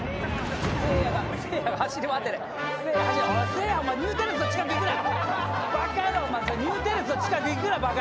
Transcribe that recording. せいやお前ニューテレスの近く行くな！